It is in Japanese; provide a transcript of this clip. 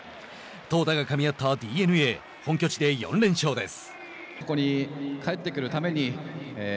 投打がかみ合ったＤｅＮＡ本拠地で４連勝です。